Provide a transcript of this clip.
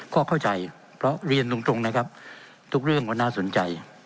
ก็เข้าใจเพราะเรียนตรงนะครับทุกเรื่องก็น่าสนใจ